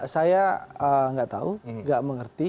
saya nggak tahu nggak mengerti